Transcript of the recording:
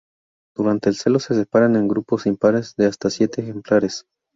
Durante el celo se separan en grupos impares de hasta siete ejemplares.